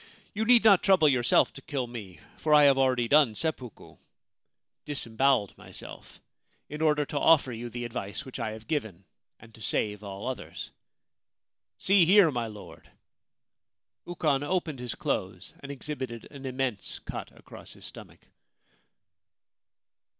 You need not trouble yourself to kill me, for I have already done seppuku * in order to offer you the advice which I have given, and to save all others. See here, my Lord !' Ukon opened his clothes and exhibited an immense cut across his stomach.